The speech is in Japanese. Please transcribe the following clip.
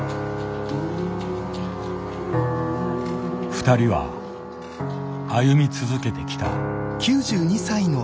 ふたりは歩み続けてきた。